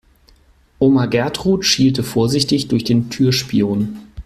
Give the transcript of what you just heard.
Oma Gertrud schielte vorsichtig durch den Türspion.